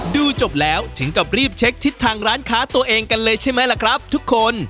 จบแล้วถึงกับรีบเช็คทิศทางร้านค้าตัวเองกันเลยใช่ไหมล่ะครับทุกคน